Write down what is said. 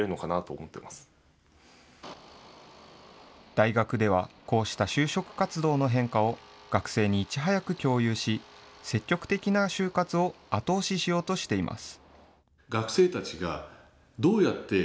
大学では、こうした就職活動の変化を学生にいち早く共有し、積極的な就活を後押ししようとしています。